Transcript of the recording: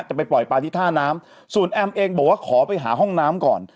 จะไปปล่อยปลาที่ท่าน้ำส่วนแอมเองบอกว่าขอไปหาห้องน้ำก่อน